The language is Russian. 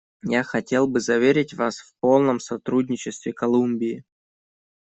Я хотел бы заверить Вас в полном сотрудничестве Колумбии.